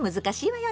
難しい。